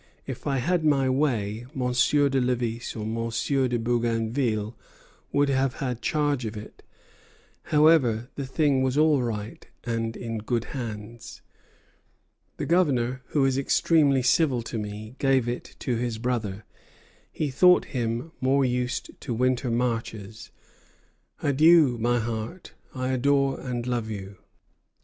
If I had had my way, Monsieur de Lévis or Monsieur de Bougainville would have had charge of it. However, the thing was all right, and in good hands. The Governor, who is extremely civil to me, gave it to his brother; he thought him more used to winter marches. Adieu, my heart; I adore and love you!"